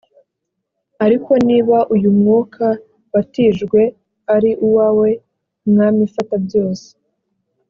ariko niba uyu mwuka watijwe ari uwawe mwami fata byose